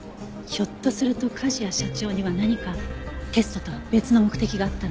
ひょっとすると梶谷社長には何かテストとは別の目的があったのかも。